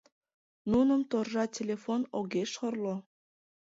Нуным торжа телефон огеш орло